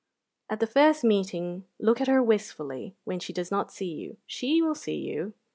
"At the first meeting look at her wistfully when she does not see you. She will see you."